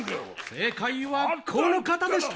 ・正解はこの方でした・